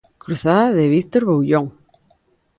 Cruzada, de Víctor Boullón.